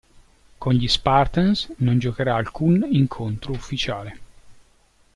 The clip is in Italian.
Con gli "Spartans" non giocherà alcun incontro ufficiale.